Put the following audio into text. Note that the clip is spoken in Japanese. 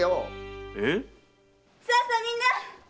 えっ⁉さあみんな！